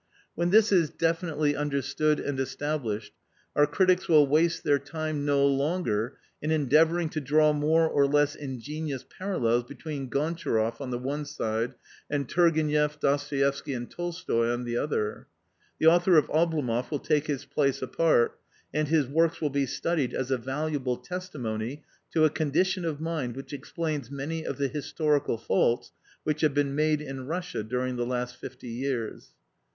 " When this is definitely understood and established, our critics will waste their time no longer in endeavouring to draw more or less ingenious parallels between Gontcharoff, on the one side, and Tourgenieff, Dostoieffsky and Tolstoi, on the other. The author of Oblomoff will take his place apart, and his works will be studied as a valuable testimony to a condition of mind which explains many of the historical faults which have been made in Russia during the last fifty years."